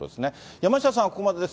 山下さんはここまでです。